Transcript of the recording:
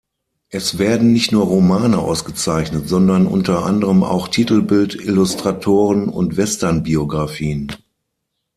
Es werden nicht nur Romane ausgezeichnet, sondern unter anderem auch Titelbild-Illustratoren und Western-Biografien.